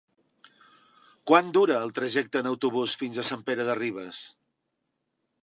Quant dura el trajecte en autobús fins a Sant Pere de Ribes?